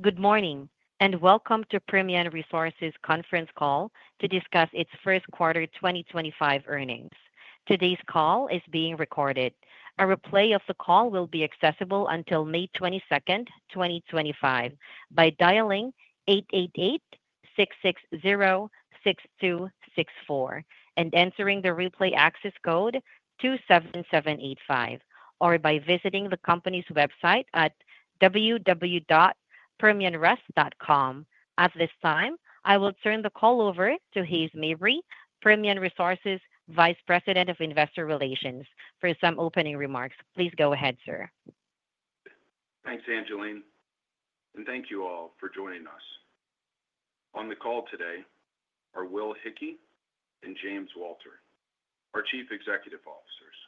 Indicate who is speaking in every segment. Speaker 1: Good morning, and welcome to Permian Resources' Conference Call to discuss its First Quarter 2025 Earnings. Today's call is being recorded. A replay of the call will be accessible until May 22, 2025, by dialing 888-660-6264 and entering the replay access code 27785, or by visiting the company's website at www.permianres.com. At this time, I will turn the call over to Hays Mabry, Permian Resources Vice President of Investor Relations, for some opening remarks. Please go ahead, sir.
Speaker 2: Thanks, Angeline. Thank you all for joining us. On the call today are Will Hickey and James Walter, our Chief Executive Officers,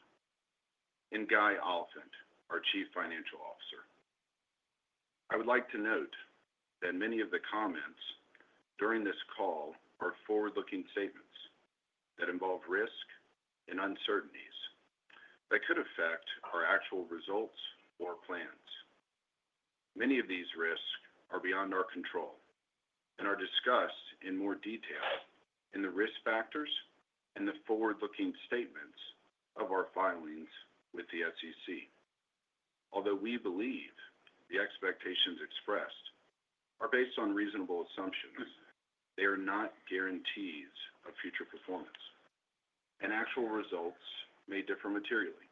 Speaker 2: and Guy Oliphant, our Chief Financial Officer. I would like to note that many of the comments during this call are forward-looking statements that involve risk and uncertainties that could affect our actual results or plans. Many of these risks are beyond our control and are discussed in more detail in the risk factors and the forward-looking statements of our filings with the SEC. Although we believe the expectations expressed are based on reasonable assumptions, they are not guarantees of future performance, and actual results may differ materially.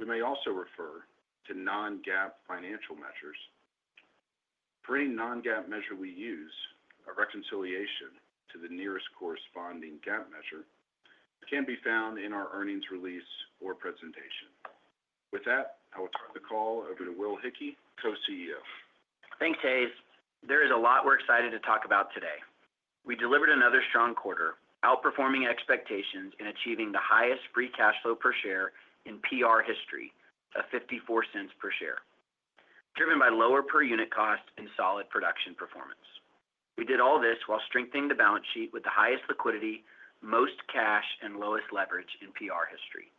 Speaker 2: We may also refer to non-GAAP financial measures. For any non-GAAP measure we use, a reconciliation to the nearest corresponding GAAP measure can be found in our earnings release or presentation. With that, I will turn the call over to Will Hickey, Co-CEO.
Speaker 3: Thanks, Hays. There is a lot we're excited to talk about today. We delivered another strong quarter, outperforming expectations in achieving the highest free cash flow per share in PR history, at $0.54 per share, driven by lower per unit cost and solid production performance. We did all this while strengthening the balance sheet with the highest liquidity, most cash, and lowest leverage in PR history.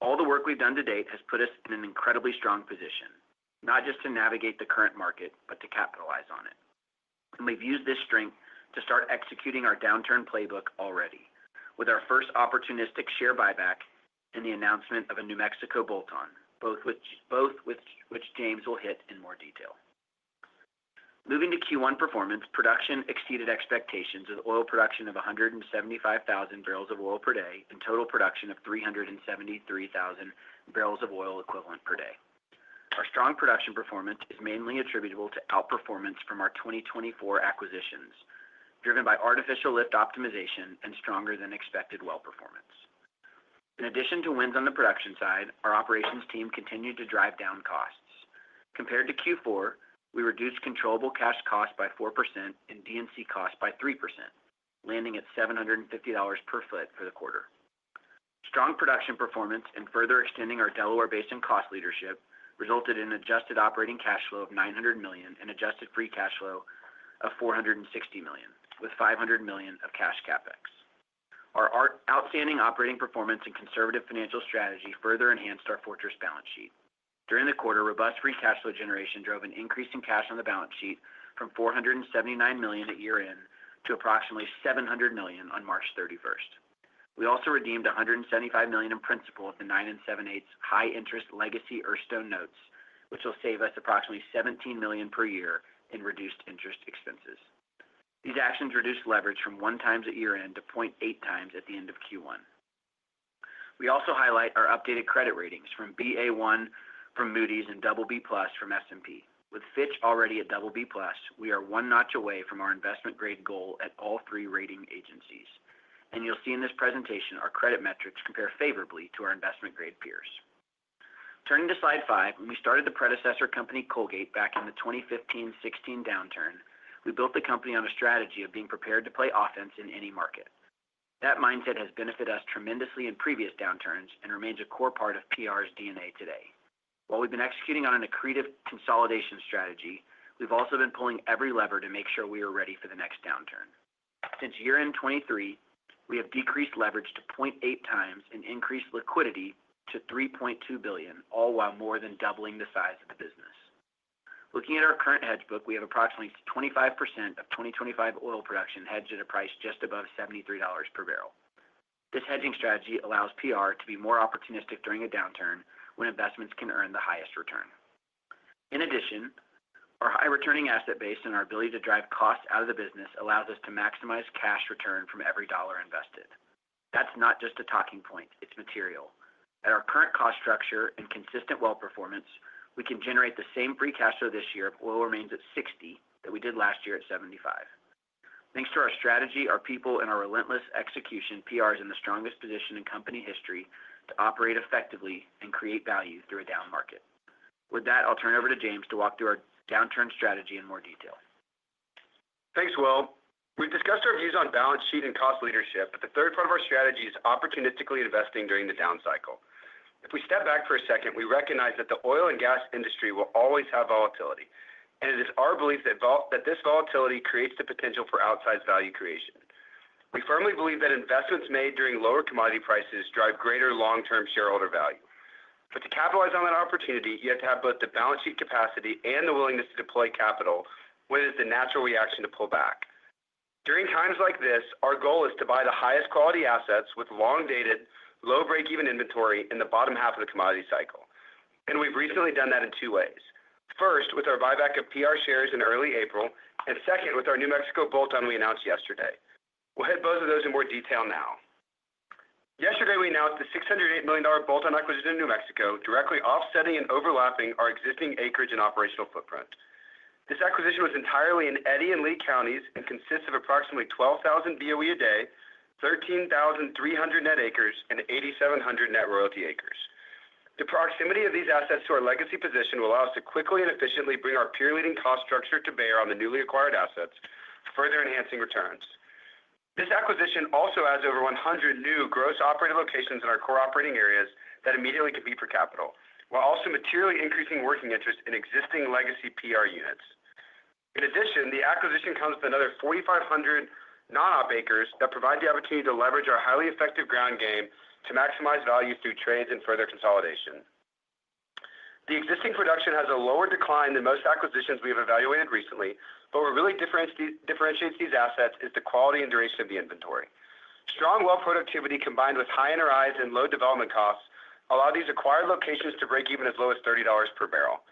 Speaker 3: All the work we've done to date has put us in an incredibly strong position, not just to navigate the current market, but to capitalize on it. We have used this strength to start executing our downturn playbook already, with our first opportunistic share buyback and the announcement of a New Mexico bolt-on, both of which James will hit in more detail. Moving to Q1 performance, production exceeded expectations with oil production of 175,000 barrels of oil per day and total production of 373,000 barrels of oil equivalent per day. Our strong production performance is mainly attributable to outperformance from our 2024 acquisitions, driven by artificial lift optimization and stronger-than-expected well performance. In addition to wins on the production side, our operations team continued to drive down costs. Compared to Q4, we reduced controllable cash cost by 4% and DNC cost by 3%, landing at $750 per foot for the quarter. Strong production performance and further extending our Delaware-based and cost leadership resulted in adjusted operating cash flow of $900 million and adjusted free cash flow of $460 million, with $500 million of cash CapEx. Our outstanding operating performance and conservative financial strategy further enhanced our fortress balance sheet. During the quarter, robust free cash flow generation drove an increase in cash on the balance sheet from $479 million at year-end to approximately $700 million on March 31. We also redeemed $175 million in principal of the 9 and 7/8 high-interest legacy Erstone notes, which will save us approximately $17 million per year in reduced interest expenses. These actions reduced leverage from one times at year-end to 0.8 times at the end of Q1. We also highlight our updated credit ratings from BA1 from Moody's and BB Plus from S&P. With Fitch already at BB Plus, we are one notch away from our investment-grade goal at all three rating agencies. You will see in this presentation our credit metrics compare favorably to our investment-grade peers. Turning to slide five, when we started the predecessor company Colgate back in the 2015-2016 downturn, we built the company on a strategy of being prepared to play offense in any market. That mindset has benefited us tremendously in previous downturns and remains a core part of PR's DNA today. While we've been executing on an accretive consolidation strategy, we've also been pulling every lever to make sure we are ready for the next downturn. Since year-end 2023, we have decreased leverage to 0.8 times and increased liquidity to $3.2 billion, all while more than doubling the size of the business. Looking at our current hedge book, we have approximately 25% of 2025 oil production hedged at a price just above $73 per barrel. This hedging strategy allows PR to be more opportunistic during a downturn when investments can earn the highest return. In addition, our high-returning asset base and our ability to drive costs out of the business allows us to maximize cash return from every dollar invested. That is not just a talking point; it is material. At our current cost structure and consistent well performance, we can generate the same free cash flow this year if oil remains at $60 that we did last year at $75. Thanks to our strategy, our people, and our relentless execution, PR is in the strongest position in company history to operate effectively and create value through a down market. With that, I will turn it over to James to walk through our downturn strategy in more detail.
Speaker 4: Thanks, Will. We've discussed our views on balance sheet and cost leadership, but the third part of our strategy is opportunistically investing during the down cycle. If we step back for a second, we recognize that the oil and gas industry will always have volatility, and it is our belief that this volatility creates the potential for outsized value creation. We firmly believe that investments made during lower commodity prices drive greater long-term shareholder value. But to capitalize on that opportunity, you have to have both the balance sheet capacity and the willingness to deploy capital, which is the natural reaction to pull back. During times like this, our goal is to buy the highest quality assets with long-dated, low break-even inventory in the bottom half of the commodity cycle. And we've recently done that in two ways. First, with our buyback of PR shares in early April, and second, with our New Mexico bolt-on we announced yesterday. We will hit both of those in more detail now. Yesterday, we announced the $608 million bolt-on acquisition in New Mexico, directly offsetting and overlapping our existing acreage and operational footprint. This acquisition was entirely in Eddy and Lea counties and consists of approximately 12,000 BOE a day, 13,300 net acres, and 8,700 net royalty acres. The proximity of these assets to our legacy position will allow us to quickly and efficiently bring our peer-leading cost structure to bear on the newly acquired assets, further enhancing returns. This acquisition also adds over 100 new gross operating locations in our core operating areas that immediately compete for capital, while also materially increasing working interest in existing legacy PR units. In addition, the acquisition comes with another 4,500 non-op acres that provide the opportunity to leverage our highly effective ground game to maximize value through trades and further consolidation. The existing production has a lower decline than most acquisitions we have evaluated recently, but what really differentiates these assets is the quality and duration of the inventory. Strong well productivity combined with high NRIs and low development costs allow these acquired locations to break even as low as $30 per barrel.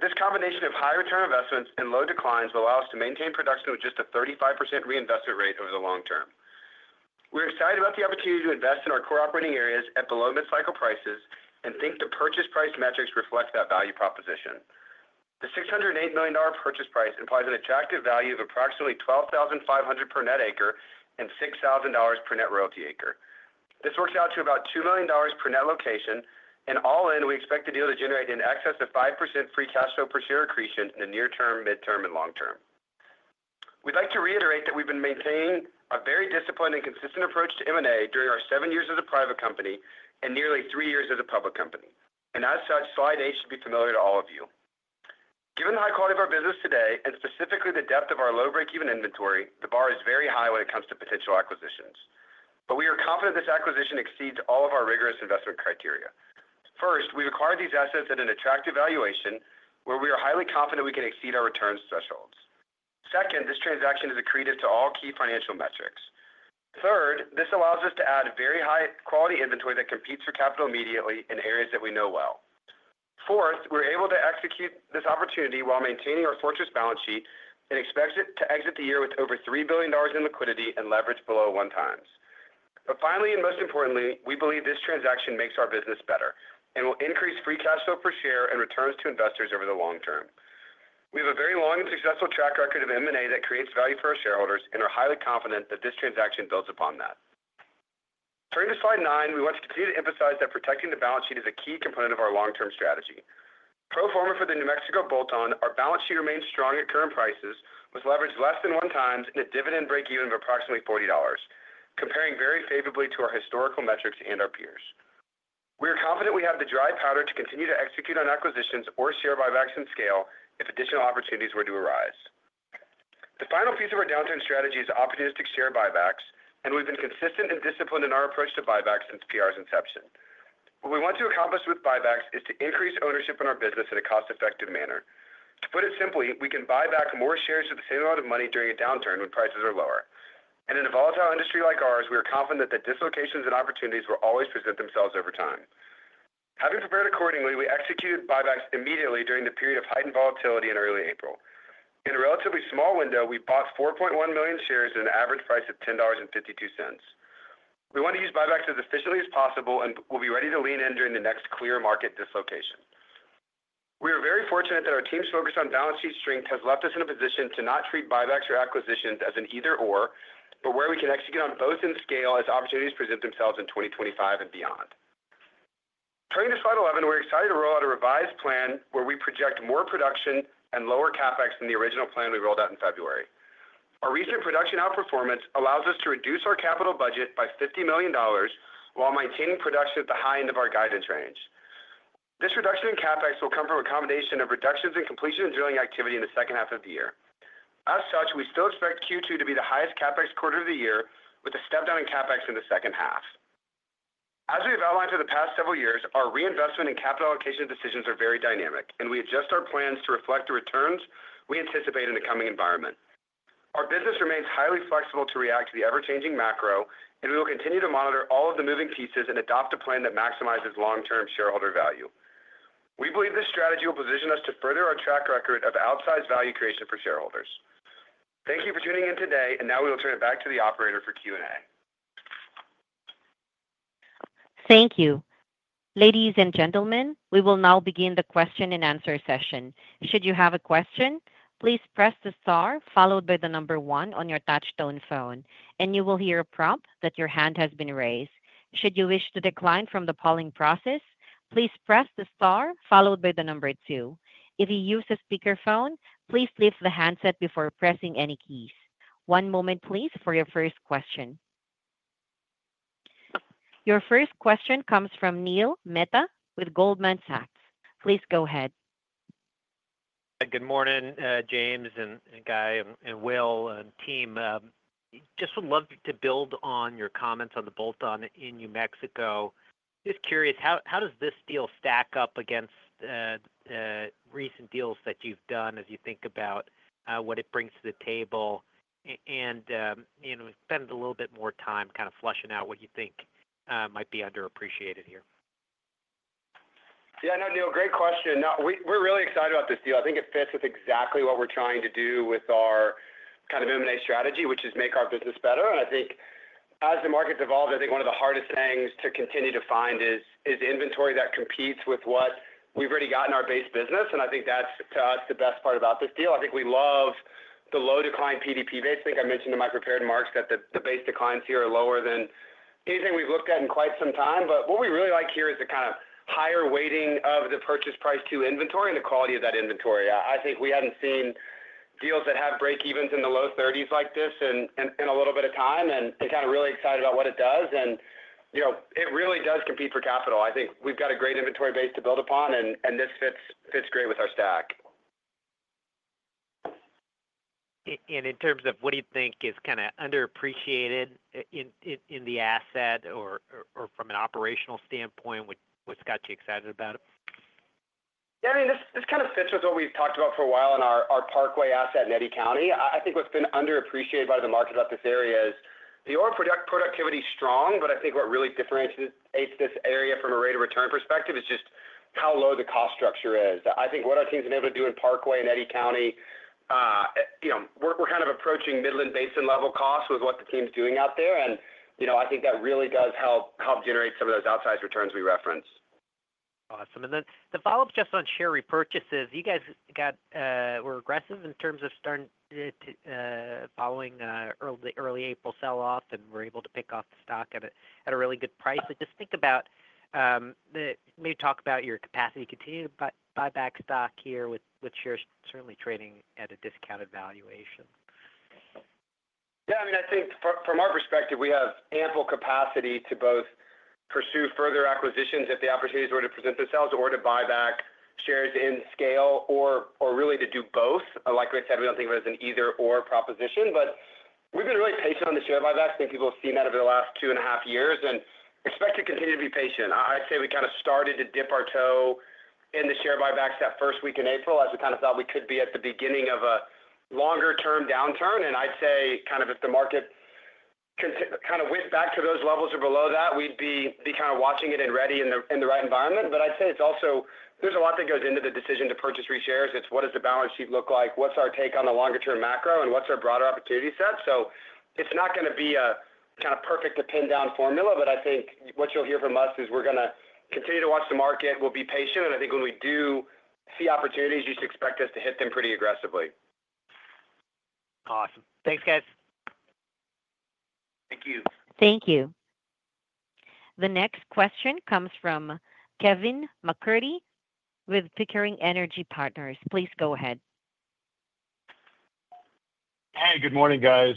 Speaker 4: This combination of high return investments and low declines will allow us to maintain production with just a 35% reinvestment rate over the long term. We're excited about the opportunity to invest in our core operating areas at below mid-cycle prices and think the purchase price metrics reflect that value proposition. The $608 million purchase price implies an attractive value of approximately $12,500 per net acre and $6,000 per net royalty acre. This works out to about $2 million per net location, and all in, we expect the deal to generate in excess of 5% free cash flow per share accretion in the near term, midterm, and long term. We would like to reiterate that we have been maintaining a very disciplined and consistent approach to M&A during our seven years as a private company and nearly three years as a public company. As such, slide eight should be familiar to all of you. Given the high quality of our business today and specifically the depth of our low break-even inventory, the bar is very high when it comes to potential acquisitions. We are confident this acquisition exceeds all of our rigorous investment criteria. First, we've acquired these assets at an attractive valuation where we are highly confident we can exceed our returns thresholds. Second, this transaction is accretive to all key financial metrics. Third, this allows us to add very high quality inventory that competes for capital immediately in areas that we know well. Fourth, we're able to execute this opportunity while maintaining our fortress balance sheet and expect to exit the year with over $3 billion in liquidity and leverage below one times. Finally, and most importantly, we believe this transaction makes our business better and will increase free cash flow per share and returns to investors over the long term. We have a very long and successful track record of M&A that creates value for our shareholders, and we're highly confident that this transaction builds upon that. Turning to slide nine, we want to continue to emphasize that protecting the balance sheet is a key component of our long-term strategy. Pro forma for the New Mexico bolt-on, our balance sheet remains strong at current prices with leverage less than one times and a dividend break-even of approximately $40, comparing very favorably to our historical metrics and our peers. We are confident we have the dry powder to continue to execute on acquisitions or share buybacks in scale if additional opportunities were to arise. The final piece of our downturn strategy is opportunistic share buybacks, and we've been consistent and disciplined in our approach to buybacks since PR's inception. What we want to accomplish with buybacks is to increase ownership in our business in a cost-effective manner. To put it simply, we can buy back more shares with the same amount of money during a downturn when prices are lower. In a volatile industry like ours, we are confident that the dislocations and opportunities will always present themselves over time. Having prepared accordingly, we executed buybacks immediately during the period of heightened volatility in early April. In a relatively small window, we bought 4.1 million shares at an average price of $10.52. We want to use buybacks as efficiently as possible and will be ready to lean in during the next clear market dislocation. We are very fortunate that our team's focus on balance sheet strength has left us in a position to not treat buybacks or acquisitions as an either/or, but where we can execute on both in scale as opportunities present themselves in 2025 and beyond. Turning to slide 11, we're excited to roll out a revised plan where we project more production and lower CapEx than the original plan we rolled out in February. Our recent production outperformance allows us to reduce our capital budget by $50 million while maintaining production at the high end of our guidance range. This reduction in CapEx will come from a combination of reductions in completion and drilling activity in the second half of the year. As such, we still expect Q2 to be the highest CapEx quarter of the year with a step down in CapEx in the second half. As we have outlined for the past several years, our reinvestment and capital allocation decisions are very dynamic, and we adjust our plans to reflect the returns we anticipate in the coming environment. Our business remains highly flexible to react to the ever-changing macro, and we will continue to monitor all of the moving pieces and adopt a plan that maximizes long-term shareholder value. We believe this strategy will position us to further our track record of outsized value creation for shareholders. Thank you for tuning in today, and now we will turn it back to the operator for Q&A.
Speaker 1: Thank you. Ladies and gentlemen, we will now begin the question and answer session. Should you have a question, please press the star followed by the number one on your touch-tone phone, and you will hear a prompt that your hand has been raised. Should you wish to decline from the polling process, please press the star followed by the number two. If you use a speakerphone, please lift the handset before pressing any keys. One moment, please, for your first question. Your first question comes from Neil Mehta with Goldman Sachs. Please go ahead.
Speaker 5: Good morning, James and Guy and Will and team. Just would love to build on your comments on the bolt-on in New Mexico. Just curious, how does this deal stack up against recent deals that you have done as you think about what it brings to the table? Spend a little bit more time kind of flushing out what you think might be underappreciated here.
Speaker 4: Yeah, no, Neil, great question. We're really excited about this deal. I think it fits with exactly what we're trying to do with our kind of M&A strategy, which is make our business better. I think as the markets evolve, one of the hardest things to continue to find is inventory that competes with what we've already got in our base business. I think that's, to us, the best part about this deal. We love the low decline PDP base. I think I mentioned in my prepared marks that the base declines here are lower than anything we've looked at in quite some time. What we really like here is the kind of higher weighting of the purchase price to inventory and the quality of that inventory. I think we haven't seen deals that have break-evens in the low $30s like this in a little bit of time, and kind of really excited about what it does. It really does compete for capital. I think we've got a great inventory base to build upon, and this fits great with our stack.
Speaker 5: In terms of what do you think is kind of underappreciated in the asset or from an operational standpoint, what's got you excited about it?
Speaker 4: Yeah, I mean, this kind of fits with what we've talked about for a while in our Parkway asset in Eddy County. I think what's been underappreciated by the market about this area is the oil productivity is strong, but I think what really differentiates this area from a rate of return perspective is just how low the cost structure is. I think what our team's been able to do in Parkway and Eddy County, we're kind of approaching Midland Basin level costs with what the team's doing out there. I think that really does help generate some of those outsized returns we referenced.
Speaker 5: Awesome. The follow-up just on share repurchases, you guys were aggressive in terms of starting to following early April sell-off and were able to pick off the stock at a really good price. Just think about maybe talk about your capacity to continue to buy back stock here with shares certainly trading at a discounted valuation.
Speaker 4: Yeah, I mean, I think from our perspective, we have ample capacity to both pursue further acquisitions if the opportunities were to present themselves or to buy back shares in scale or really to do both. Like I said, we do not think of it as an either/or proposition, but we have been really patient on the share buybacks. I think people have seen that over the last two and a half years and expect to continue to be patient. I would say we kind of started to dip our toe in the share buybacks that first week in April as we kind of thought we could be at the beginning of a longer-term downturn. I would say kind of if the market kind of went back to those levels or below that, we would be kind of watching it and ready in the right environment. I'd say it's also there's a lot that goes into the decision to purchase reshares. It's what does the balance sheet look like? What's our take on the longer-term macro and what's our broader opportunity set? It's not going to be a kind of perfect to pin down formula, but I think what you'll hear from us is we're going to continue to watch the market. We'll be patient. I think when we do see opportunities, you should expect us to hit them pretty aggressively.
Speaker 5: Awesome. Thanks, guys.
Speaker 4: Thank you.
Speaker 1: Thank you. The next question comes from Kevin MacCurdy with Pickering Energy Partners. Please go ahead.
Speaker 6: Hey, good morning, guys.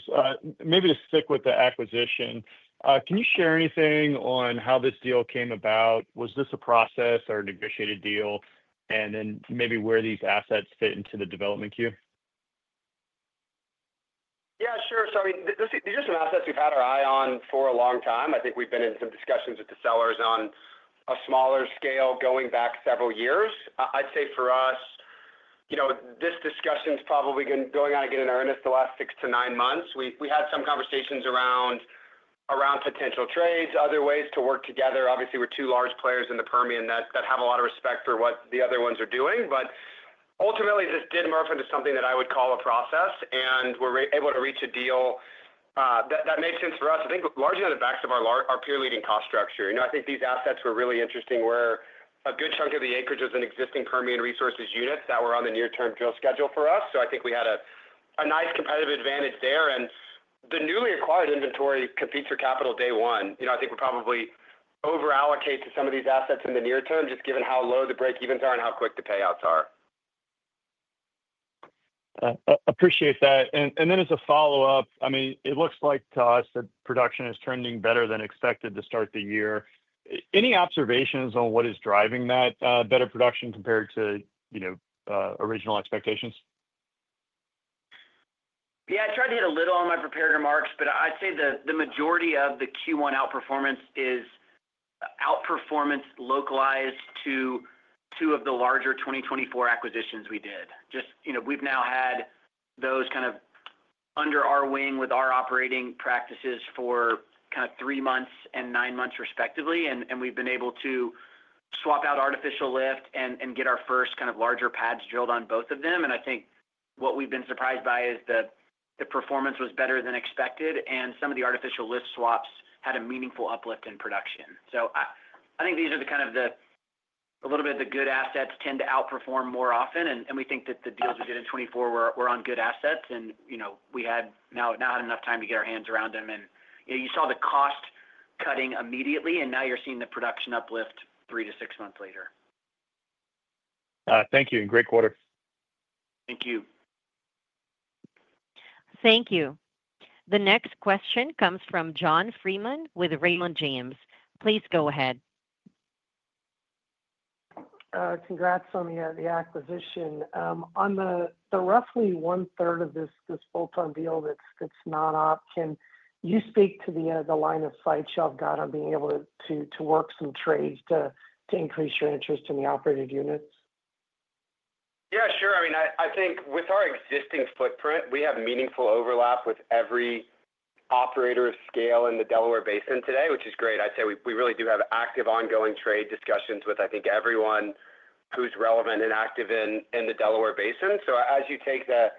Speaker 6: Maybe to stick with the acquisition, can you share anything on how this deal came about? Was this a process or a negotiated deal? Maybe where these assets fit into the development queue?
Speaker 4: Yeah, sure. These are some assets we've had our eye on for a long time. I think we've been in some discussions with the sellers on a smaller scale going back several years. I'd say for us, this discussion's probably been going on again in earnest the last six to nine months. We had some conversations around potential trades, other ways to work together. Obviously, we're two large players in the Permian that have a lot of respect for what the other ones are doing. Ultimately, this did morph into something that I would call a process, and we were able to reach a deal that made sense for us, I think, largely on the back of our peer-leading cost structure. I think these assets were really interesting where a good chunk of the acreage was in existing Permian Resources units that were on the near-term drill schedule for us. I think we had a nice competitive advantage there. The newly acquired inventory competes for capital day one. I think we probably overallocate to some of these assets in the near term just given how low the break-evens are and how quick the payouts are.
Speaker 6: Appreciate that. I mean, it looks like to us that production is trending better than expected to start the year. Any observations on what is driving that better production compared to original expectations?
Speaker 4: Yeah, I tried to hit a little on my prepared remarks, but I'd say the majority of the Q1 outperformance is outperformance localized to two of the larger 2024 acquisitions we did. Just we've now had those kind of under our wing with our operating practices for kind of three months and nine months respectively. We've been able to swap out artificial lift and get our first kind of larger pads drilled on both of them. I think what we've been surprised by is the performance was better than expected, and some of the artificial lift swaps had a meaningful uplift in production. I think these are the kind of the a little bit of the good assets tend to outperform more often. We think that the deals we did in 2024 were on good assets, and we have now had enough time to get our hands around them. You saw the cost cutting immediately, and now you are seeing the production uplift three to six months later.
Speaker 6: Thank you. Great quarter.
Speaker 4: Thank you.
Speaker 1: Thank you. The next question comes from John Freeman with Raymond James. Please go ahead.
Speaker 7: Congrats on the acquisition. On the roughly one-third of this bolt-on deal that's not op, can you speak to the line of sight you've got on being able to work some trades to increase your interest in the operated units?
Speaker 4: Yeah, sure. I mean, I think with our existing footprint, we have meaningful overlap with every operator of scale in the Delaware Basin today, which is great. I'd say we really do have active ongoing trade discussions with, I think, everyone who's relevant and active in the Delaware Basin. As you take the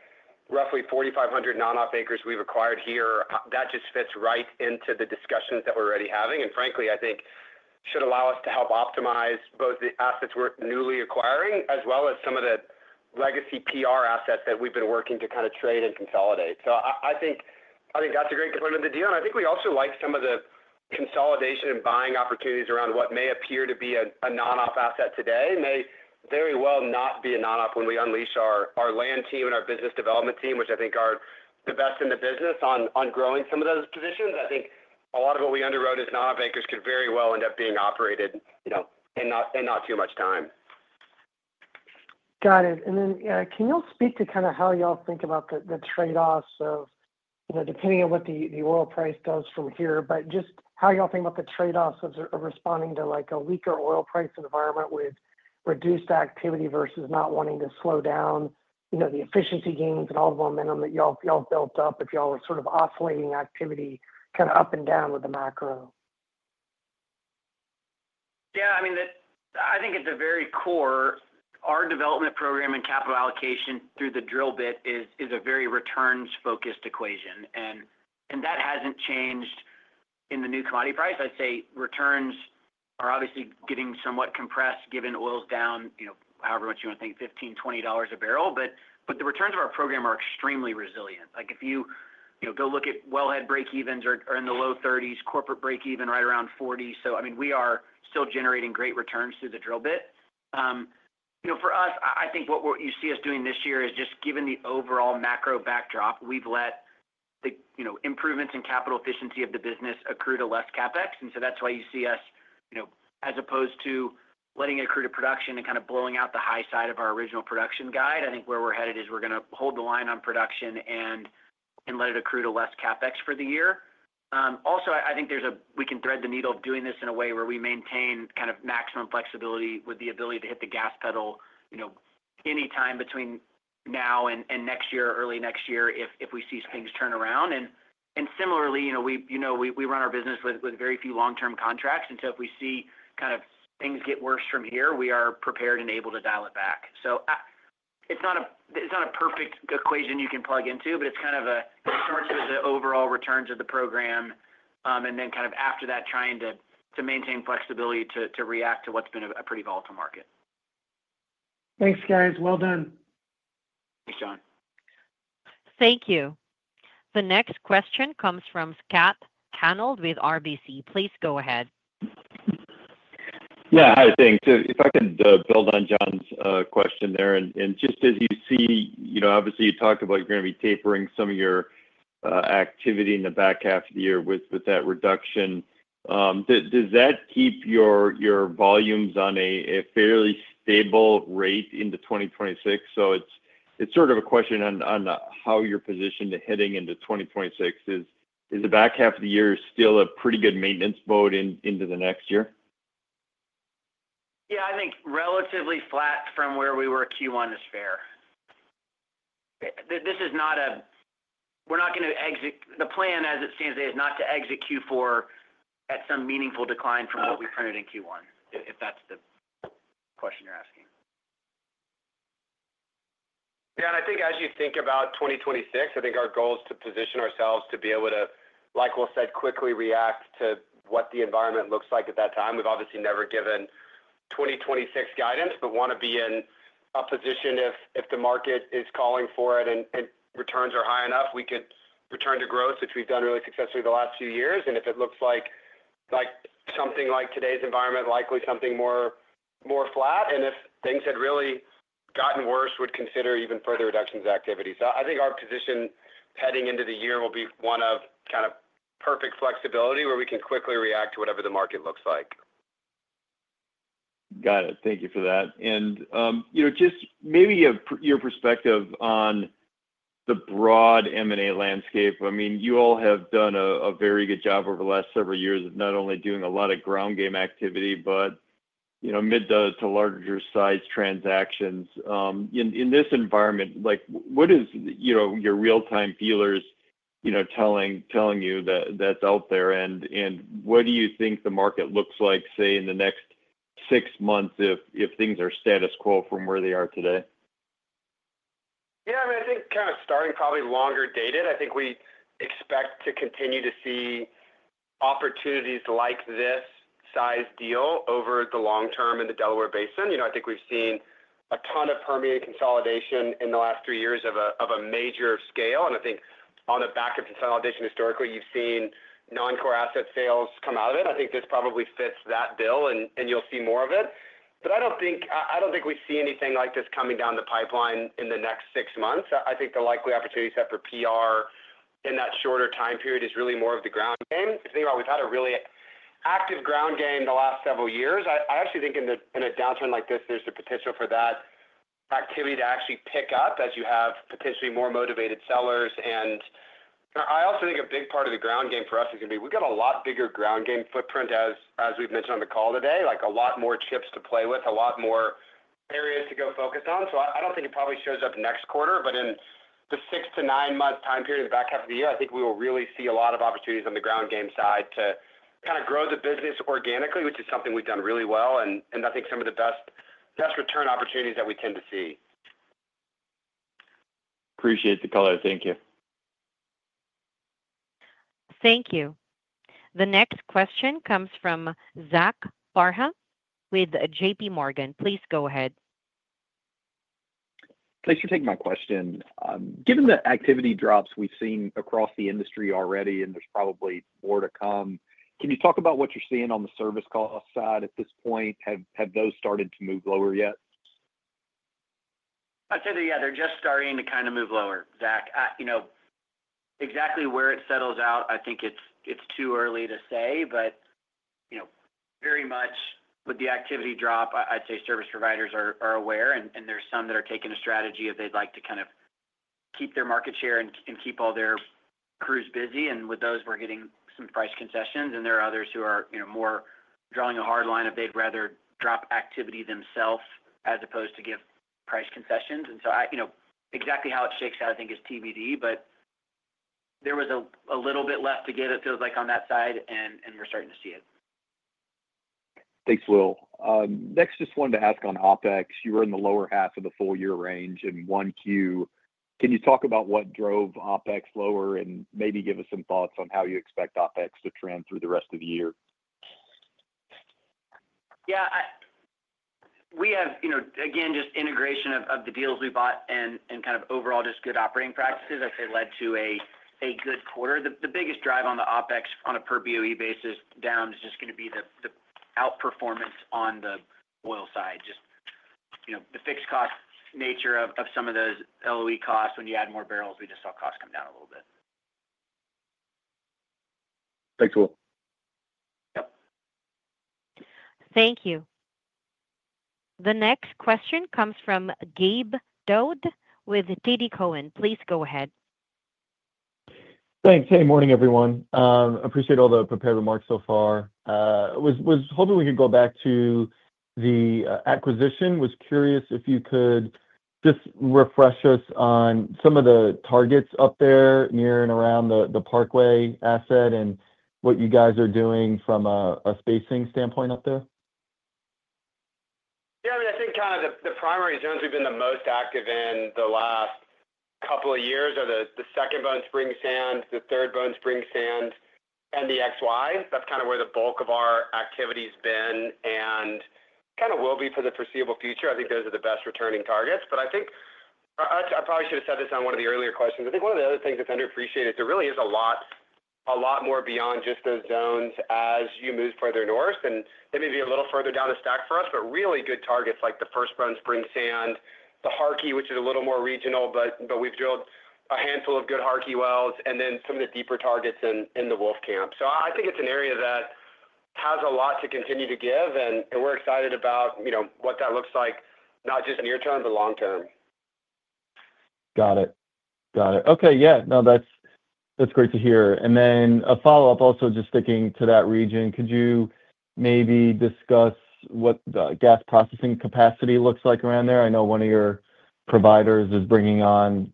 Speaker 4: roughly 4,500 non-op acres we've acquired here, that just fits right into the discussions that we're already having. Frankly, I think it should allow us to help optimize both the assets we're newly acquiring as well as some of the legacy PR assets that we've been working to kind of trade and consolidate. I think that's a great component of the deal. I think we also like some of the consolidation and buying opportunities around what may appear to be a non-op asset today may very well not be a non-op when we unleash our land team and our business development team, which I think are the best in the business on growing some of those positions. I think a lot of what we underwrote as non-op acres could very well end up being operated in not too much time.
Speaker 7: Got it. Can you all speak to kind of how y'all think about the trade-offs of depending on what the oil price does from here, but just how y'all think about the trade-offs of responding to a weaker oil price environment with reduced activity versus not wanting to slow down the efficiency gains and all the momentum that y'all built up if y'all were sort of oscillating activity kind of up and down with the macro?
Speaker 3: Yeah, I mean, I think at the very core, our development program and capital allocation through the drill bit is a very returns-focused equation. That has not changed in the new commodity price. I would say returns are obviously getting somewhat compressed given oil is down, however much you want to think, $15-$20 a barrel. The returns of our program are extremely resilient. If you go look at wellhead break-evens, they are in the low $30s, corporate break-even right around $40. I mean, we are still generating great returns through the drill bit. For us, I think what you see us doing this year is just given the overall macro backdrop, we have let the improvements in capital efficiency of the business accrue to less CapEx. That is why you see us, as opposed to letting it accrue to production and kind of blowing out the high side of our original production guide, I think where we are headed is we are going to hold the line on production and let it accrue to less CapEx for the year. Also, I think we can thread the needle of doing this in a way where we maintain kind of maximum flexibility with the ability to hit the gas pedal anytime between now and next year or early next year if we see things turn around. Similarly, we run our business with very few long-term contracts. If we see kind of things get worse from here, we are prepared and able to dial it back.
Speaker 4: It's not a perfect equation you can plug into, but it's kind of a start to the overall returns of the program and then kind of after that, trying to maintain flexibility to react to what's been a pretty volatile market.
Speaker 7: Thanks, guys. Well done.
Speaker 4: Thanks, John.
Speaker 1: Thank you. The next question comes from Scott Hanold with RBC. Please go ahead.
Speaker 8: Yeah, hi, thanks. If I can build on John's question there. Just as you see, obviously, you talked about you're going to be tapering some of your activity in the back half of the year with that reduction. Does that keep your volumes on a fairly stable rate into 2026? It is sort of a question on how you're positioned heading into 2026. Is the back half of the year still a pretty good maintenance mode into the next year?
Speaker 3: Yeah, I think relatively flat from where we were Q1 is fair. This is not a, we're not going to exit, the plan, as it stands today, is not to exit Q4 at some meaningful decline from what we printed in Q1, if that's the question you're asking. Yeah, I think as you think about 2026, I think our goal is to position ourselves to be able to, like we'll say, quickly react to what the environment looks like at that time. We've obviously never given 2026 guidance, but want to be in a position if the market is calling for it and returns are high enough, we could return to growth, which we've done really successfully the last few years. If it looks like something like today's environment, likely something more flat. If things had really gotten worse, would consider even further reductions of activity. I think our position heading into the year will be one of kind of perfect flexibility where we can quickly react to whatever the market looks like.
Speaker 8: Got it. Thank you for that. Just maybe your perspective on the broad M&A landscape. I mean, you all have done a very good job over the last several years of not only doing a lot of ground game activity, but mid to larger size transactions. In this environment, what is your real-time dealers telling you that's out there? What do you think the market looks like, say, in the next six months if things are status quo from where they are today?
Speaker 4: Yeah, I mean, I think kind of starting probably longer dated, I think we expect to continue to see opportunities like this size deal over the long term in the Delaware Basin. I think we've seen a ton of Permian consolidation in the last three years of a major scale. I think on the back of consolidation historically, you've seen non-core asset sales come out of it. I think this probably fits that bill, and you'll see more of it. I do not think we see anything like this coming down the pipeline in the next six months. I think the likely opportunities for PR in that shorter time period is really more of the ground game. I think we've had a really active ground game the last several years. I actually think in a downturn like this, there's the potential for that activity to actually pick up as you have potentially more motivated sellers. I also think a big part of the ground game for us is going to be we've got a lot bigger ground game footprint, as we've mentioned on the call today, like a lot more chips to play with, a lot more areas to go focus on. I don't think it probably shows up next quarter, but in the six to nine months time period in the back half of the year, I think we will really see a lot of opportunities on the ground game side to kind of grow the business organically, which is something we've done really well. I think some of the best return opportunities that we tend to see.
Speaker 8: Appreciate the color. Thank you.
Speaker 1: Thank you. The next question comes from Zach Parham with JPMorgan. Please go ahead.
Speaker 9: Thanks for taking my question. Given the activity drops we've seen across the industry already, and there's probably more to come, can you talk about what you're seeing on the service cost side at this point? Have those started to move lower yet?
Speaker 3: I'd say, yeah, they're just starting to kind of move lower, Zach. Exactly where it settles out, I think it's too early to say, but very much with the activity drop, I'd say service providers are aware. There are some that are taking a strategy if they'd like to kind of keep their market share and keep all their crews busy. With those, we're getting some price concessions. There are others who are more drawing a hard line if they'd rather drop activity themselves as opposed to give price concessions. Exactly how it shakes out, I think, is TBD, but there was a little bit left to give, it feels like, on that side, and we're starting to see it.
Speaker 9: Thanks, Will. Next, just wanted to ask on OPEX. You were in the lower half of the full year range in Q1. Can you talk about what drove OPEX lower and maybe give us some thoughts on how you expect OPEX to trend through the rest of the year?
Speaker 3: Yeah. We have, again, just integration of the deals we bought and kind of overall just good operating practices, I'd say, led to a good quarter. The biggest drive on the OPEX on a per BOE basis down is just going to be the outperformance on the oil side, just the fixed cost nature of some of those LOE costs. When you add more barrels, we just saw costs come down a little bit.
Speaker 9: Thanks, Will.
Speaker 3: Yep.
Speaker 1: Thank you. The next question comes from Gabe Daoud with TD Cowen. Please go ahead.
Speaker 10: Thanks. Hey, morning, everyone. Appreciate all the prepared remarks so far. Was hoping we could go back to the acquisition. Was curious if you could just refresh us on some of the targets up there near and around the Parkway asset and what you guys are doing from a spacing standpoint up there.
Speaker 4: Yeah, I mean, I think kind of the primary zones we've been the most active in the last couple of years are the second Bone Spring sand, the third Bone Spring sand, and the XY. That's kind of where the bulk of our activity has been and kind of will be for the foreseeable future. I think those are the best returning targets. I think I probably should have said this on one of the earlier questions. I think one of the other things that's underappreciated is there really is a lot more beyond just those zones as you move further north. It may be a little further down the stack for us, but really good targets like the first Bone Spring sand, the Harkey, which is a little more regional, but we've drilled a handful of good Harkey wells, and then some of the deeper targets in the Wolfcamp. I think it's an area that has a lot to continue to give. We're excited about what that looks like, not just near-term, but long-term.
Speaker 10: Got it. Got it. Okay. Yeah. No, that's great to hear. A follow-up, also just sticking to that region, could you maybe discuss what the gas processing capacity looks like around there? I know one of your providers is bringing on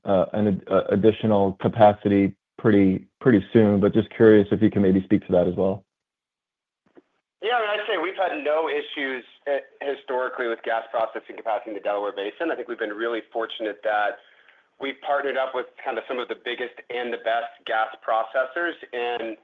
Speaker 10: additional capacity pretty soon, but just curious if you can maybe speak to that as well.
Speaker 4: Yeah. I'd say we've had no issues historically with gas processing capacity in the Delaware Basin. I think we've been really fortunate that we've partnered up with kind of some of the biggest and the best gas processors in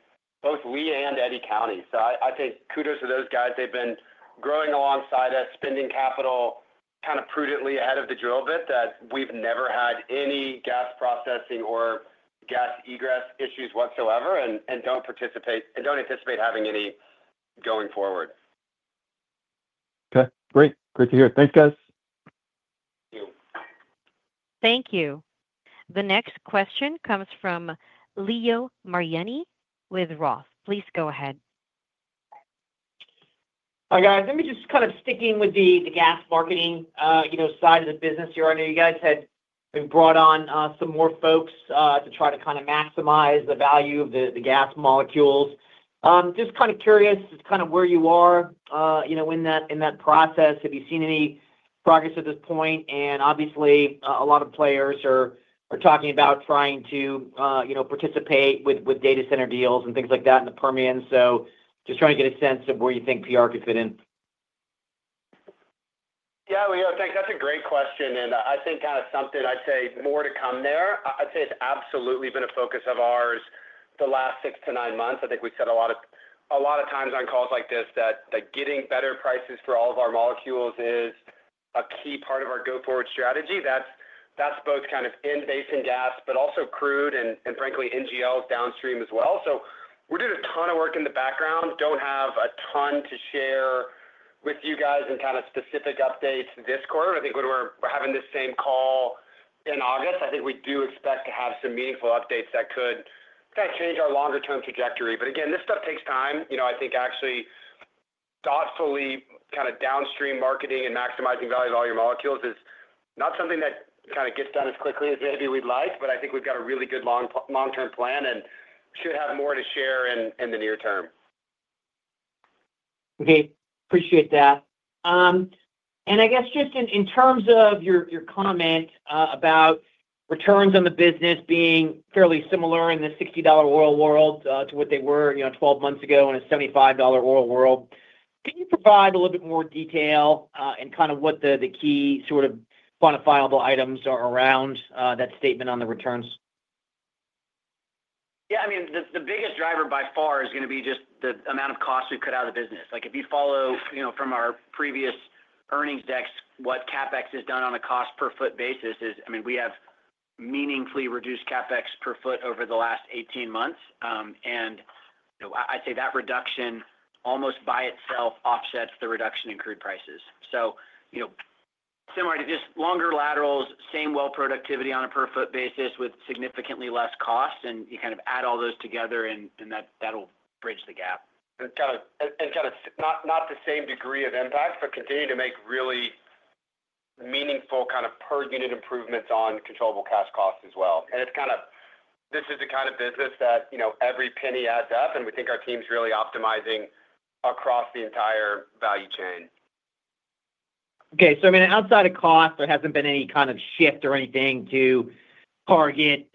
Speaker 4: both Lea and Eddy County. I think kudos to those guys. They've been growing alongside us, spending capital kind of prudently ahead of the drill bit that we've never had any gas processing or gas egress issues whatsoever and don't anticipate having any going forward.
Speaker 10: Okay. Great. Great to hear. Thanks, guys.
Speaker 4: Thank you.
Speaker 1: Thank you. The next question comes from Leo Mariani with Roth. Please go ahead.
Speaker 11: Hi, guys. Let me just kind of stick in with the gas marketing side of the business here. I know you guys had brought on some more folks to try to kind of maximize the value of the gas molecules. Just kind of curious where you are in that process. Have you seen any progress at this point? Obviously, a lot of players are talking about trying to participate with data center deals and things like that in the Permian. Just trying to get a sense of where you think PR could fit in.
Speaker 4: Yeah, we are. Thanks. That's a great question. I think kind of something I'd say more to come there. I'd say it's absolutely been a focus of ours the last six to nine months. I think we've said a lot of times on calls like this that getting better prices for all of our molecules is a key part of our go-forward strategy. That's both kind of in base and gas, but also crude and, frankly, NGLs downstream as well. We're doing a ton of work in the background. Don't have a ton to share with you guys in kind of specific updates this quarter. I think when we're having this same call in August, I think we do expect to have some meaningful updates that could kind of change our longer-term trajectory. Again, this stuff takes time. I think actually thoughtfully kind of downstream marketing and maximizing value of all your molecules is not something that kind of gets done as quickly as maybe we'd like, but I think we've got a really good long-term plan and should have more to share in the near term.
Speaker 11: Okay. Appreciate that. I guess just in terms of your comment about returns on the business being fairly similar in the $60 oil world to what they were 12 months ago in a $75 oil world, can you provide a little bit more detail and kind of what the key sort of quantifiable items are around that statement on the returns?
Speaker 4: Yeah. I mean, the biggest driver by far is going to be just the amount of cost we've cut out of the business. If you follow from our previous earnings decks, what CapEx has done on a cost per foot basis is, I mean, we have meaningfully reduced CapEx per foot over the last 18 months. I'd say that reduction almost by itself offsets the reduction in crude prices. Similar to just longer laterals, same well productivity on a per foot basis with significantly less cost. You kind of add all those together, and that'll bridge the gap. Kind of not the same degree of impact, but continue to make really meaningful kind of per unit improvements on controllable cash costs as well. This is the kind of business that every penny adds up, and we think our team's really optimizing across the entire value chain.
Speaker 11: Okay. So I mean, outside of cost, there hasn't been any kind of shift or anything to target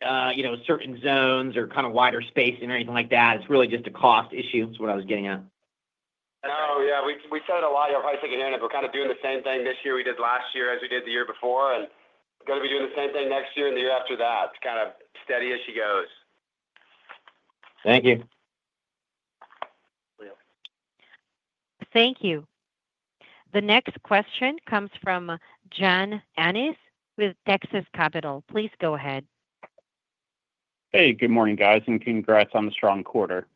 Speaker 11: certain zones or kind of wider spacing or anything like that. It's really just a cost issue, is what I was getting at.
Speaker 4: No. Yeah. We said it a lot. You're probably thinking it, but we're kind of doing the same thing this year we did last year as we did the year before. We're going to be doing the same thing next year and the year after that. It's kind of steady as she goes.
Speaker 11: Thank you.
Speaker 1: Thank you. The next question comes from John Annis with Texas Capital. Please go ahead.
Speaker 12: Hey, good morning, guys, and congrats on the strong quarter.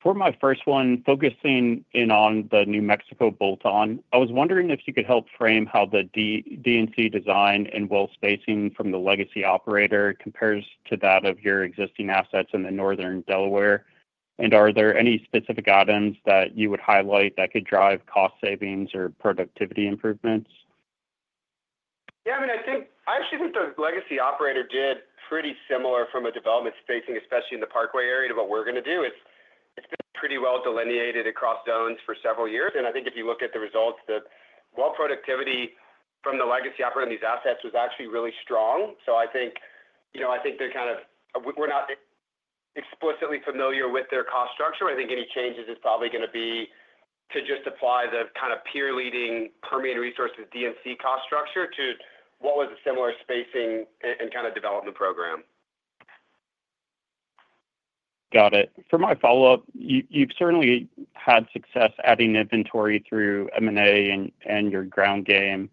Speaker 12: For my first one, focusing in on the New Mexico bolt-on, I was wondering if you could help frame how the DNC design and well spacing from the legacy operator compares to that of your existing assets in the northern Delaware. Are there any specific items that you would highlight that could drive cost savings or productivity improvements?
Speaker 4: Yeah. I mean, I actually think the legacy operator did pretty similar from a development spacing, especially in the Parkway area, to what we're going to do. It's been pretty well delineated across zones for several years. I think if you look at the results, the well productivity from the legacy operator on these assets was actually really strong. I think we're not explicitly familiar with their cost structure. I think any changes is probably going to be to just apply the kind of peer-leading Permian Resources DNC cost structure to what was a similar spacing and kind of development program.
Speaker 12: Got it. For my follow-up, you've certainly had success adding inventory through M&A and your ground game.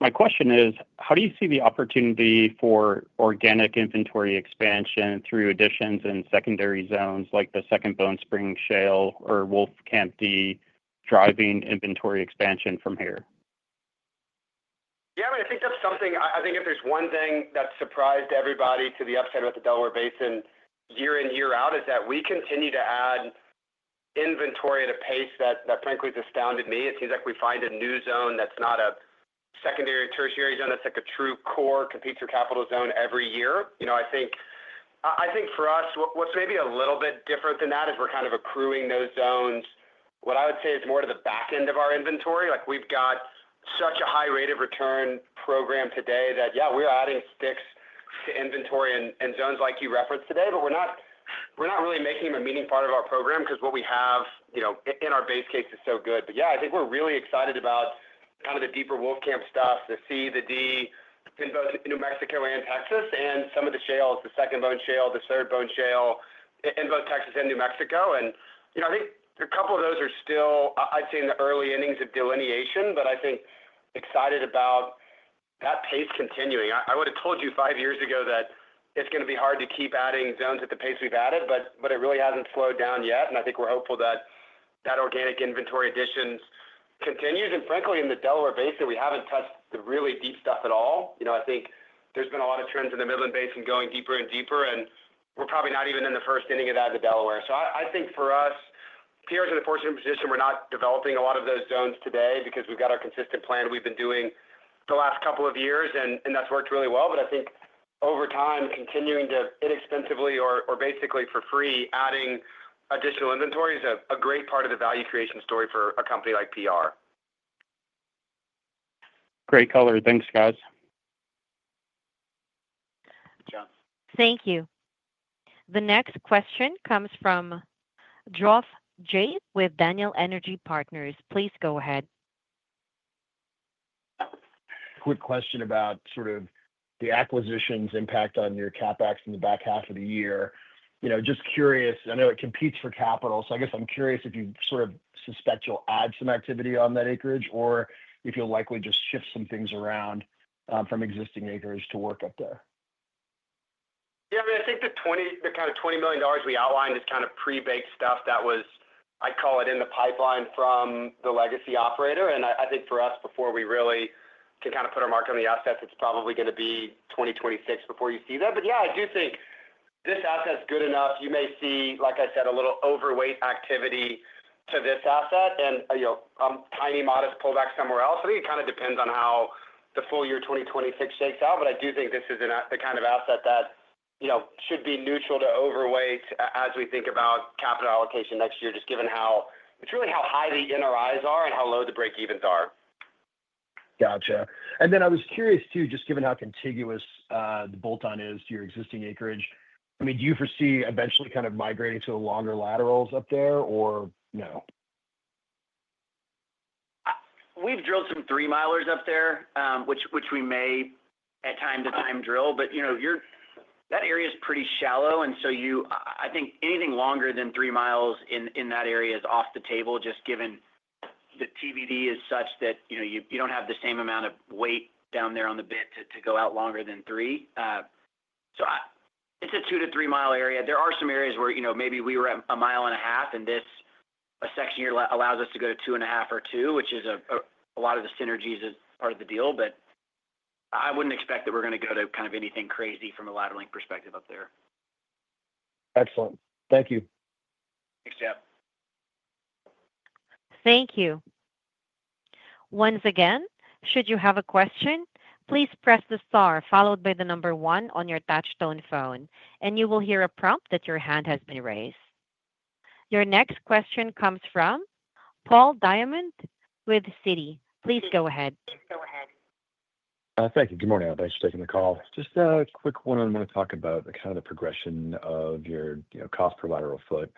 Speaker 12: My question is, how do you see the opportunity for organic inventory expansion through additions in secondary zones like the second Bone Spring Shale or Wolfcamp D driving inventory expansion from here?
Speaker 4: Yeah. I mean, I think that's something I think if there's one thing that surprised everybody to the upside with the Delaware Basin year in, year out, is that we continue to add inventory at a pace that, frankly, has astounded me. It seems like we find a new zone that's not a secondary or tertiary zone that's like a true core, computer capital zone every year. I think for us, what's maybe a little bit different than that is we're kind of accruing those zones. What I would say is more to the back end of our inventory. We've got such a high rate of return program today that, yeah, we're adding sticks to inventory and zones like you referenced today, but we're not really making them a meaningful part of our program because what we have in our base case is so good. Yeah, I think we're really excited about kind of the deeper Wolfcamp stuff, the C, the D, in both New Mexico and Texas, and some of the shales, the second Bone Shale, the third Bone Shale in both Texas and New Mexico. I think a couple of those are still, I'd say, in the early innings of delineation, but I think excited about that pace continuing. I would have told you five years ago that it's going to be hard to keep adding zones at the pace we've added, but it really hasn't slowed down yet. I think we're hopeful that that organic inventory addition continues. Frankly, in the Delaware Basin, we haven't touched the really deep stuff at all. I think there's been a lot of trends in the Midland Basin going deeper and deeper, and we're probably not even in the first inning of that in Delaware. I think for us, PR is in a fortunate position. We're not developing a lot of those zones today because we've got our consistent plan we've been doing the last couple of years, and that's worked really well. I think over time, continuing to inexpensively or basically for free adding additional inventory is a great part of the value creation story for a company like PR.
Speaker 12: Great color. Thanks, guys.
Speaker 4: Thanks, John.
Speaker 1: Thank you. The next question comes from Geoff Jay with Daniel Energy Partners. Please go ahead.
Speaker 13: Quick question about sort of the acquisition's impact on your CapEx in the back half of the year. Just curious, I know it competes for capital, so I guess I'm curious if you sort of suspect you'll add some activity on that acreage or if you'll likely just shift some things around from existing acreage to work up there.
Speaker 3: Yeah. I mean, I think the kind of $20 million we outlined is kind of pre-baked stuff that was, I'd call it, in the pipeline from the legacy operator. I think for us, before we really can kind of put our mark on the assets, it's probably going to be 2026 before you see that. Yeah, I do think this asset's good enough. You may see, like I said, a little overweight activity to this asset and a tiny, modest pullback somewhere else. I think it kind of depends on how the full year 2026 shakes out. I do think this is the kind of asset that should be neutral to overweight as we think about capital allocation next year, just given how it's really how high the NRIs are and how low the breakevens are.
Speaker 13: Gotcha. I was curious too, just given how contiguous the bolt-on is to your existing acreage, I mean, do you foresee eventually kind of migrating to the longer laterals up there or no?
Speaker 3: We've drilled some three milers up there, which we may at time to time drill, but that area is pretty shallow. I think anything longer than three miles in that area is off the table, just given the TBD is such that you don't have the same amount of weight down there on the bit to go out longer than three. It is a two to three-mile area. There are some areas where maybe we were at a mile and a half, and this section here allows us to go to two and a half or two, which is a lot of the synergies as part of the deal. I wouldn't expect that we're going to go to kind of anything crazy from a lateral length perspective up there.
Speaker 13: Excellent. Thank you.
Speaker 3: Thanks, Jeff.
Speaker 1: Thank you. Once again, should you have a question, please press the star followed by the number one on your touchstone phone, and you will hear a prompt that your hand has been raised. Your next question comes from Paul Diamond with Citi. Please go ahead.
Speaker 14: Thank you. Thank you. Good morning, everybody. Thanks for taking the call. Just a quick one, I want to talk about kind of the progression of your cost per lateral foot.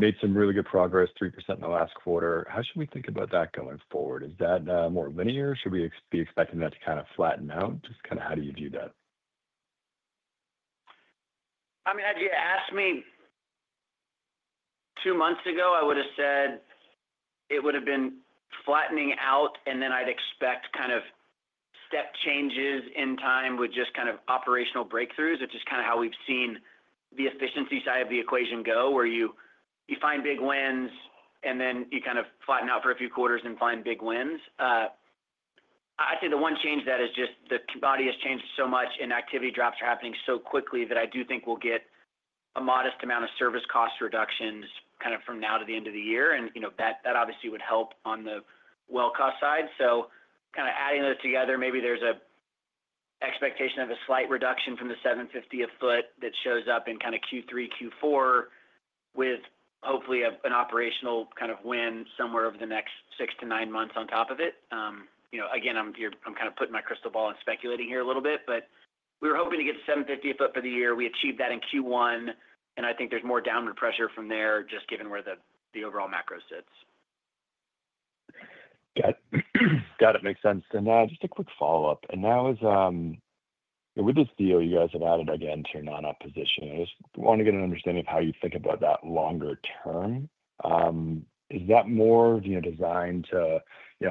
Speaker 14: Made some really good progress, 3% in the last quarter. How should we think about that going forward? Is that more linear? Should we be expecting that to kind of flatten out? Just kind of how do you view that?
Speaker 4: I mean, had you asked me two months ago, I would have said it would have been flattening out, and then I'd expect kind of step changes in time with just kind of operational breakthroughs, which is kind of how we've seen the efficiency side of the equation go, where you find big wins and then you kind of flatten out for a few quarters and find big wins. I'd say the one change that is just the body has changed so much and activity drops are happening so quickly that I do think we'll get a modest amount of service cost reductions kind of from now to the end of the year. That obviously would help on the well cost side. Kind of adding those together, maybe there's an expectation of a slight reduction from the $750 a foot that shows up in kind of Q3, Q4 with hopefully an operational kind of win somewhere over the next six to nine months on top of it. Again, I'm kind of putting my crystal ball and speculating here a little bit, but we were hoping to get $750 a foot for the year. We achieved that in Q1, and I think there's more downward pressure from there just given where the overall macro sits.
Speaker 14: Got it. Got it. Makes sense. Just a quick follow-up. Now with this deal, you guys have added again to your non-op position. I just want to get an understanding of how you think about that longer term. Is that more designed to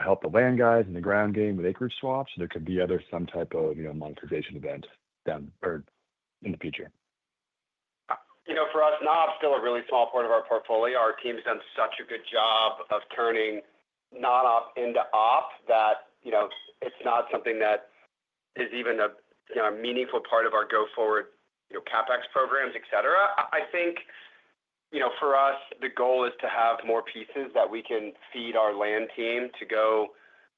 Speaker 14: help the land guys in the ground game with acreage swaps? There could be some other type of monetization event in the future.
Speaker 4: For us, non-op's still a really small part of our portfolio. Our team's done such a good job of turning non-op into op that it's not something that is even a meaningful part of our go-forward CapEx programs, etc. I think for us, the goal is to have more pieces that we can feed our land team to go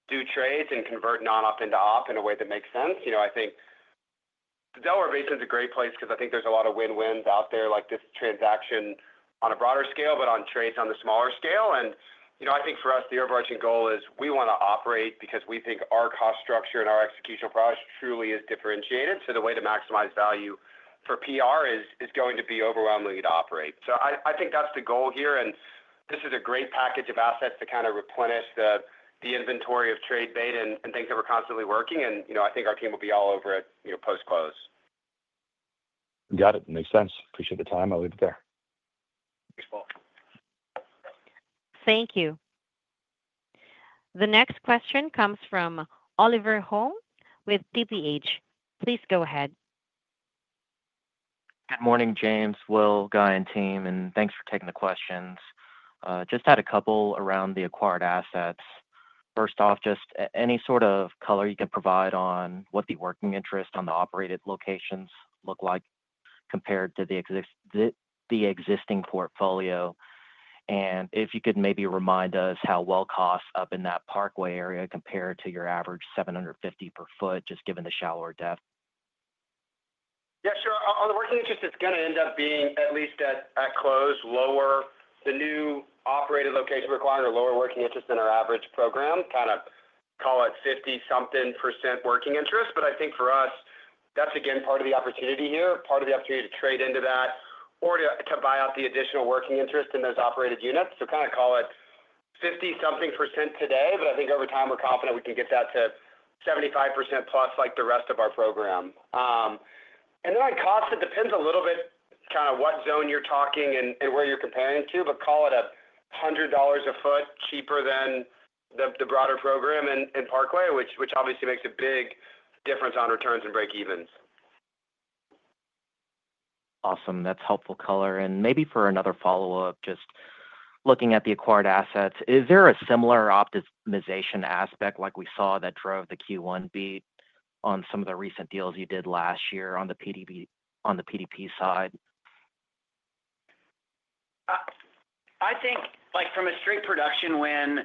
Speaker 4: do trades and convert non-op into op in a way that makes sense. I think the Delaware Basin is a great place because I think there's a lot of win-wins out there, like this transaction on a broader scale, but on trades on the smaller scale. I think for us, the overarching goal is we want to operate because we think our cost structure and our execution process truly is differentiated. The way to maximize value for PR is going to be overwhelmingly to operate. I think that's the goal here. This is a great package of assets to kind of replenish the inventory of trade bait and things that we're constantly working. I think our team will be all over it post-close.
Speaker 14: Got it. Makes sense. Appreciate the time. I'll leave it there.
Speaker 4: Thanks, Paul.
Speaker 1: Thank you. The next question comes from Oliver Holm with DPH. Please go ahead.
Speaker 15: Good morning, James, Will, Guy, and team. Thanks for taking the questions. Just had a couple around the acquired assets. First off, just any sort of color you can provide on what the working interest on the operated locations look like compared to the existing portfolio. If you could maybe remind us how well costs up in that Parkway area compared to your average $750 per foot, just given the shallower depth.
Speaker 4: Yeah, sure. On the working interest, it's going to end up being at least at close, lower, the new operated location requirement or lower working interest than our average program, kind of call it 50-something percent working interest. I think for us, that's again part of the opportunity here, part of the opportunity to trade into that or to buy out the additional working interest in those operated units. Kind of call it 50-something percent today, but I think over time we're confident we can get that to 75% plus like the rest of our program. On cost, it depends a little bit kind of what zone you're talking and where you're comparing to, but call it $100 a foot cheaper than the broader program in Parkway, which obviously makes a big difference on returns and breakevens.
Speaker 15: Awesome. That's helpful color. Maybe for another follow-up, just looking at the acquired assets, is there a similar optimization aspect like we saw that drove the Q1 beat on some of the recent deals you did last year on the PDP side?
Speaker 4: I think from a straight production win,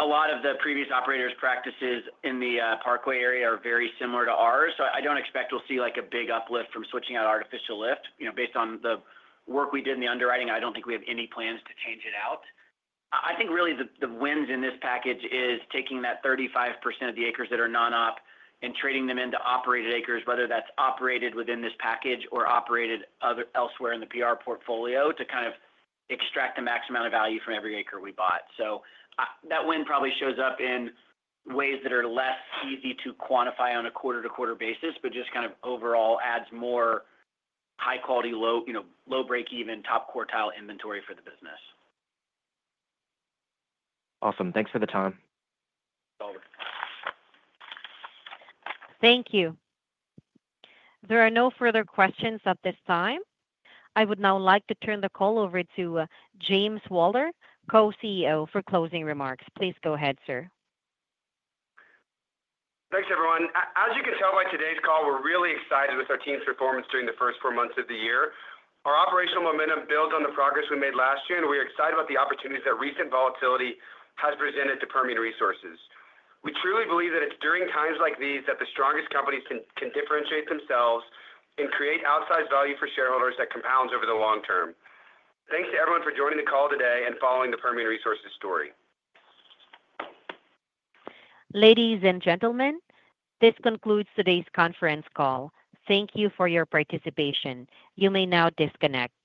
Speaker 4: a lot of the previous operators' practices in the Parkway area are very similar to ours. I do not expect we will see a big uplift from switching out artificial lift. Based on the work we did in the underwriting, I do not think we have any plans to change it out. I think really the wins in this package is taking that 35% of the acres that are non-op and trading them into operated acres, whether that is operated within this package or operated elsewhere in the PR portfolio to kind of extract the maximum amount of value from every acre we bought. That win probably shows up in ways that are less easy to quantify on a quarter-to-quarter basis, but just kind of overall adds more high-quality, low-breakeven, top quartile inventory for the business.
Speaker 15: Awesome. Thanks for the time.
Speaker 4: Thank you.
Speaker 1: There are no further questions at this time. I would now like to turn the call over to James Walter, Co-CEO, for closing remarks. Please go ahead, sir.
Speaker 4: Thanks, everyone. As you can tell by today's call, we're really excited with our team's performance during the first four months of the year. Our operational momentum builds on the progress we made last year, and we are excited about the opportunities that recent volatility has presented to Permian Resources. We truly believe that it's during times like these that the strongest companies can differentiate themselves and create outsized value for shareholders that compounds over the long term. Thanks to everyone for joining the call today and following the Permian Resources story.
Speaker 1: Ladies and gentlemen, this concludes today's conference call. Thank you for your participation. You may now disconnect.